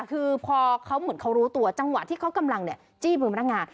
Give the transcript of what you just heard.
คือพอเขาเหมือนเขารู้ตัวจังหวะที่เขากำลังจี้มือพนักงาน